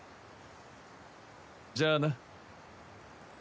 じゃあな！